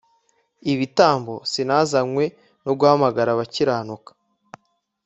ibitambo sinazanywe no guhamagara abakiranuka